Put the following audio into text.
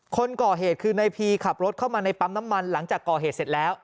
คนก่อเหตุคือในพีขับรถเข้ามาในปั๊มน้ำมันหลังจากก่อเหตุเสร็จแล้ว